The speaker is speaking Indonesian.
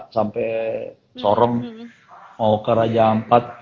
sampai sorong mau ke raja ampat